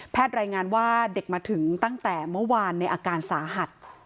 รายงานว่าเด็กมาถึงตั้งแต่เมื่อวานในอาการสาหัส